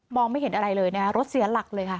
ไม่เห็นอะไรเลยนะคะรถเสียหลักเลยค่ะ